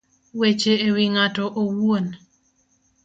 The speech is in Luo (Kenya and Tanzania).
Weche e wi ng'ato owuon